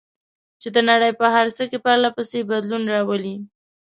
چې د نړۍ په هر څه کې پرله پسې بدلون راولي.